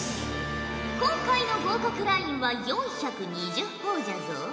今回の合格ラインは４２０ほぉじゃぞ。